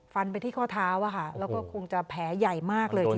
ฟันไปที่ข้อเท้าอะค่ะแล้วก็คงจะแผลใหญ่มากเลยเอง